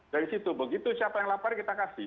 dari situ begitu siapa yang lapar kita kasih